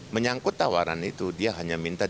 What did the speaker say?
menyangkut tawaran itu dia hanya minta